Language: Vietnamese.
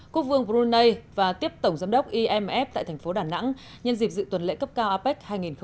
quốc vương brunei và tiếp tổng giám đốc imf tại thành phố đà nẵng nhân dịp dự tuần lễ cấp cao apec hai nghìn hai mươi